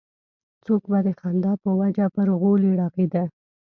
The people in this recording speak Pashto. څوک به د خندا په وجه پر غولي رغړېده.